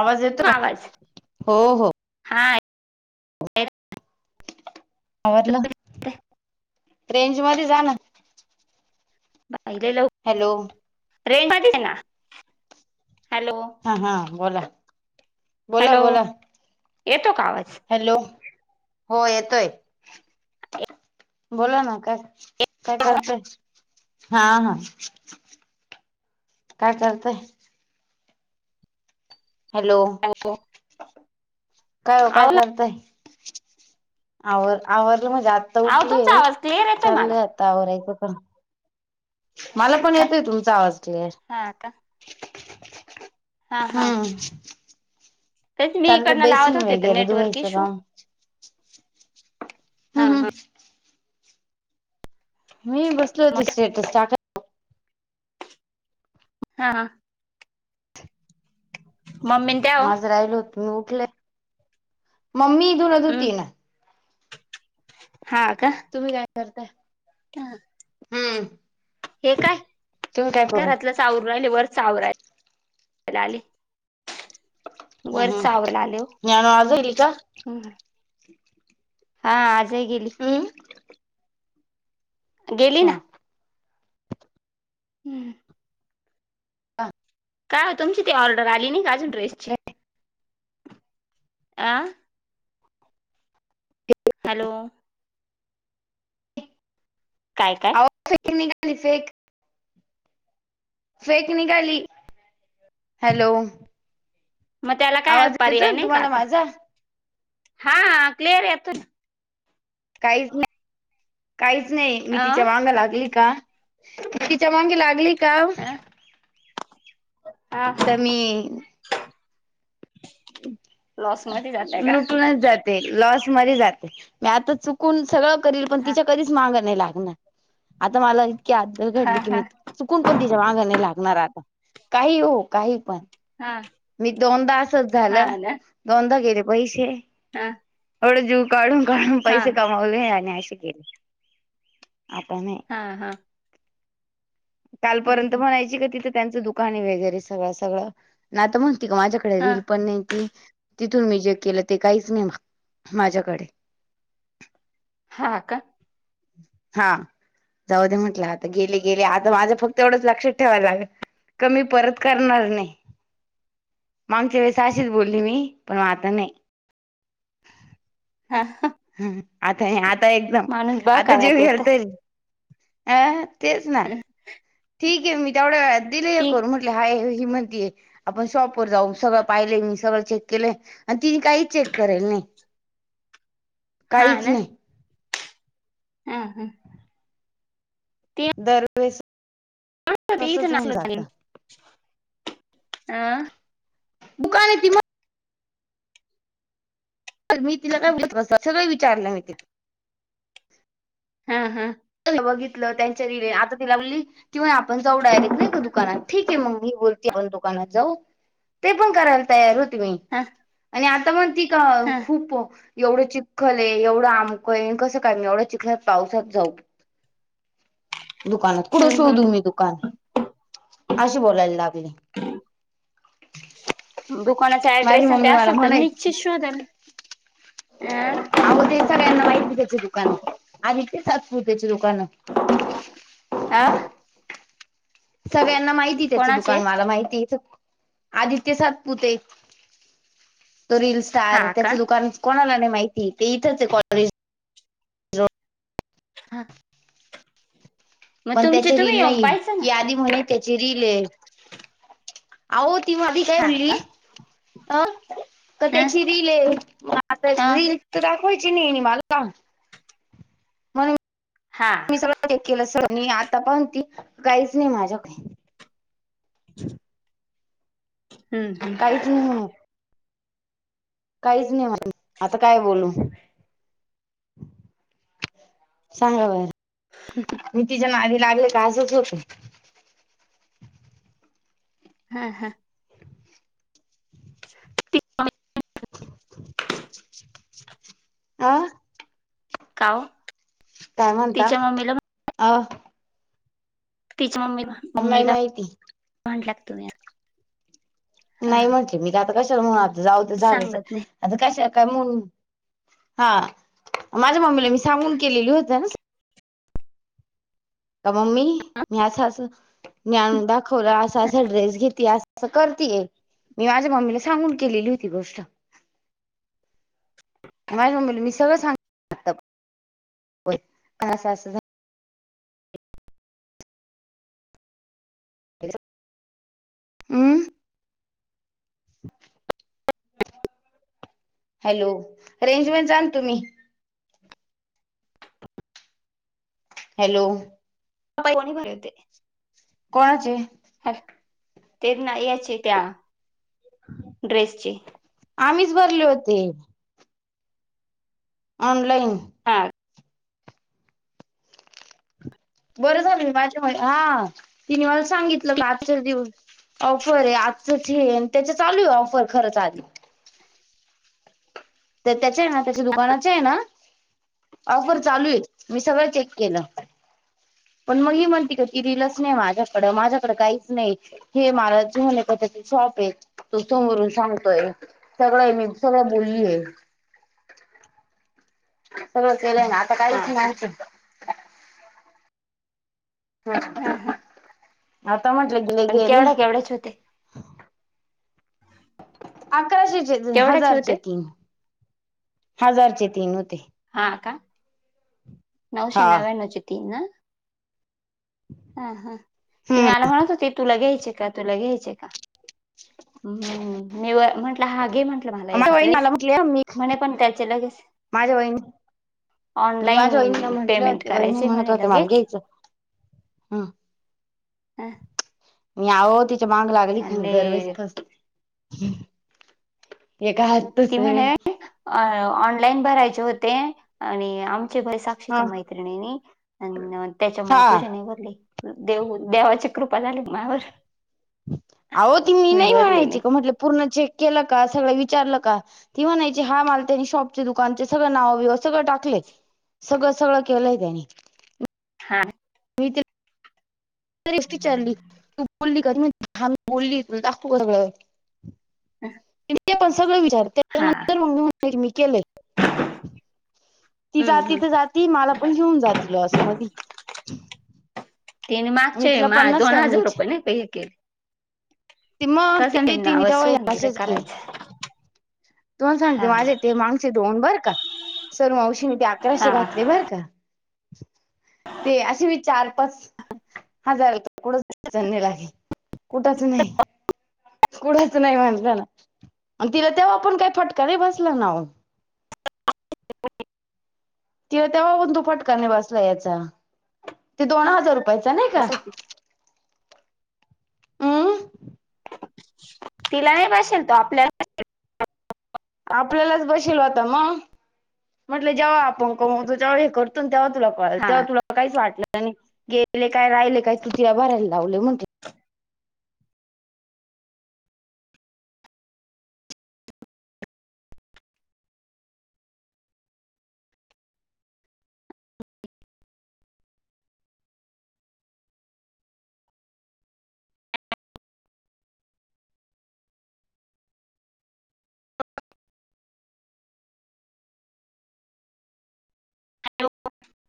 आवाज येतो का आवाज हो हो हा आवरलं रेंज मध्ये जाण बाहिलेलव [unintelligible] हॅलो रेज मध्ये आहे हॅलो हा हा बोला बोला हॅलो बोला येतो का आवाज हॅलो हो येतोय बोला ना काय? काय करताय हा हा काय करताय? हॅलो काय ओ काय आव करताय आवर आवरलं माज आत आता आव तुमचा उठलीय आवाज क्लिअर येतोय मला चालय आता आवरयचं पण मला पण येतय तुमचा आवाज क्लेअर हा का हा हा हम्म तेच मी चाललंय इकडनं लावत बेसिंग होते तर वगैरे नेटवर्क धुवायचं इश्यू काम. हा हम्म हा हम्म मी बसलो होत मग स्टेटस टाकत हा हा मम्मीनी माझं राहिल होत मी उठले मम्मी इ धुण हम् धुतिये ना हा का तुम्ही काय करताय हम्म हे काय तुम्ही काय करू घरातलच आवरू राहिले वरच आवरायला आले हम्म हम्म वरच आवरायला आले ओ ज्ञानू आज येईल का? हम्म हा आजही गेली हम्म गेली ना हम्म काय तुमची ती ऑर्डर आली नाही आजून ड्रेसची अ हा हॅलो काय काय अहो फेक निघाली फेक फेक निघाली हॅलो. मग त्याला काय आवाज येतोय पर्याय ना नाही का तुम्हाला आता माझा? हा क्लिअर आहे पर काहीच नाही काहीच नाही मी तिच्या ना माग लागली का. तिच्या मागे लागली का. अ हा तर मी लॉस मध्ये जातय का लुटून नाही जात लॉस मध्ये जाते मी आता चुकून सगळं करील पण हा तिच्या कधीच माग नई लागना आता मला इतकीअददल हा घडली की मी हा चुकून पण तिच्या मागं नाही लागणार आता काही हो काही पण हा मी दोनदा असच हा झालं ना दोनदा गेले पैसे हा. एवढ जीव काढून काढून हा पैसे हा कमावले आणि असे केले आता नाही. हा हा. कालपर्यंत म्हणायची का तिथं त्यांच दुकाने वगैरे सगळं सगळं ना म्हणती का माझ्याकडे हा री पण नाही ती तिथून मी जे केलं ते काहीच नाही माझ्याकडे. हा का. हा जाऊ दे म्हटलं आता गेले गेले आता माझं फक्त एवढंच लक्षात ठेवाय लागल. कमी परत करणार नाही. मग आमच्या वेळेस अशीच बोलली मी पण आता नाही. हा. ह आता आता एकदम माणूस आता जीव बघाव्यात गेला येत तरी अ तेच ना ठीक आहे मी तेवढ्या दिले हे ती करून म्हटले हाय हि म्हणतीय. आपण शॉपवर जाऊ सगळं पाहिले मी सगळं चेक केले. आणि तिने काही चेक करेल नाही हा काहीच ना नाही. हा हा. ती दर. वेळेस तसच इथं होऊन जात. नाचल हा दुकान हाय म्हण तर मी तिला काय बत [inaudible] सगळं विचारलं मी ते हा हा. बघितलं त्यांच्या रले आता तिला म्हली किवा आपण जाऊ डायरेक्ट नाही का दुकानात ठीक आहे मी बोल आपण दुकानात जाऊ ते पण करायला तयार होती मी. हां आणि आता म्हणती का खूप एवढं चिखल आहे एवढं आमकं कसं कायम एवढं चिखल पावसात जाऊ. दुकानात कुठं शोधू मी दुकान अशी बोलायला लागली. दुकानाचा माझी ऍड्रेस आणि ते मम्मी मला असेल तर म्हणायची निश्चित शोधा. आहो दे सगळ्यांना माहिती त्याचे दुकान आदित्य सातपुतेच्या दुकानंत. अ सगळ्यांना माहिती त्याच कोणाचे दुकान मला माहितीथ. आदित्य सातपुते तो रीलील हा सटार त्याच का दुकान कोणाला नाही माहिती ते इथंच कॉलेज. हा. पण त्याची तुम्ही रील येऊन नाही पाहायचं ना की आधी म्हणे त्याची रीलील आहे. अहो ती माधी काय हा बोलली. अं का त्याची रील [unintelligible] ह हा रील त त्या कोयचीनी [unintelligible] नि मल का हां मी सगळं केलं अस आता पहून ती काहीच नाही माझ्याकडे. हम्म. हं अ काहीच नाही म्हणाली आता काय बोलू. सांगा बर. किती जन आधी लागले? काय असच होत. हां हां. ती. [unintelligible] आं. का वो. काय म्हणता? अ. तिच्या मम्मीला. नाई माइती. [unintelligible] हा नाही म्हंटले मी ते आता कशाला म्हणू आता जाऊ ते झालंचय. सांगत नाही आता कशा काय म्हणू, हां, माझ्या मम्मीला मी सांगून केलेली होत ना. अ, मम्मी हा? मी असं अस ज्ञान दाखवलं अस अस ड्रेस घेतीया अस अ, करतीय मी माझ्या मम्मीला सांगून केलेली होती गोष्ट. माज्या मम्मीला मी सगळ सांग व्हय असं असं झा [unintelligible] हूं. हॅलो, रेंजवन जाल तुम्ही. हॅलो. पई कोणी भरेते कोणाची? अ, ते ना याचे त्या ड्रेसचे. आम्हीच भरले व्हते ऑनलाईन. हा. बरं झालं मी माझ्या हा, तिने मला सांगितलं का आजचाच दिवस ऑफरहे आजचच हे, आणि त्याच चालू आहे ऑफर खरंच आज. तर त्याच्या आहे ना, त्याच्या दुकानाचेय ना ऑफर चालूये, मी सगळं चेक केलं. पण मग ही म्हणते का की रिलस नाही माझ्याकड, माझ्याकड काहीच नाही. हे मला ज होणे पद्ध शॉपहे, तो समोरून सांगतोय. सगळं आहे मी सगळ बोल्लीय. सगळच केलंय ना, आता हा काहीच नाई का इथ. हं. आता म्हटलं की आणि केवढ्या केवढ्याचे होते? अकराशेचे केवढ्याचे होते हजारचे तीन, हजारचे तीन होते. हा का? नऊशे हा नव्याण्णवची तीन? हा हा. ती हम्म मला म्हणत होती तुला घ्यायचे का, तुला घ्यायचे का? हम्म मी म्हंटलं हा घे म्ह टल माला एक माझ्या ड्रेस. वहिनीला म्हटले मी म्हणे पण त्याचे लगेच माझ्या ऑनलाईन तिला म्हंटले पेमेंट होते. वहिणी करायचे म्हणत म्हणे होते मला लगेच घ्यायचं, हम्म. ह. मी आहो तिच्या माग लागली खा दरवेससते हे काय आत तसहे. अ -ऑनलाइन भरायचे होते आणि आम ते भई हा साक्षीच्या मैत्रिणींनी, त्यानं त्याच्यामुळे हा तुझे नई भरले. देऊ, देवाची कृपा झाली मायावर. अहो ती मी नाही म्हणायची का म्हटलं पूर्ण चेक केलं का सगळं विचारलं का? ती म्हणायची हा माल त्यांनी शॉपचे दुकानचे सगळं नाव बिव सगळं टाकलय. सगळं सगळं केलंय त्यांनी. हा. [unintelligible] विचारली तू बोलली का ह मी बोलली त दाखवू सगळं [unintelligible] ह! ती पण सगळं विचार त्याच्यानंतर मग मी मी केले [unintelligible] ती हम्म जाती हम्म त जाती माला पण घेऊन जाती लॉस मधी. तीन मी मागचे तिला मा पन्नास दोन टाइम हजार विचार रुपये नाही का हे केले. ते म तसं ते मी तिने नाव तेव्हा ही सोडून दिलं असेच केले करायचं तुम्हाला सांगते हा माझ्या ते मांगचे दोन बर का. सरुमावशीनी ते अकराशे हा घातले बरं का. ते अशे बी चार पाचं हजार कुड चणे लागे कुठच नाही. कुढच नाही म्हणलं नां अन तिला तेव्हा पण काही फटका नाही बसला ना ओ. [unintelligible] तिला तेवा पण तो फटका नाही बसला याचा, ते दोन हजार रुपयाचा नही का. हम्म तिला नाही बशेल तो आपल्या आपल्यालाच बशेल होता, म म्हटलं जेव्हा आपण कमवतो तेव्हा हे करत तेव्हा तुला कळल हा तेव्हा तुला काहीच वाटलं नाही, गेले काय राहिले काय तु तिला भरायला लावले म्हटलं